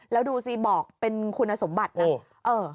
แล้วดูสิบอกเป็นคุณสมบัตินะ